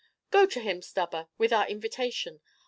"Go to him, Stubber, with our invitation.